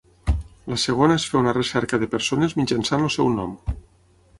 La segona és fer una recerca de persones mitjançant el seu nom.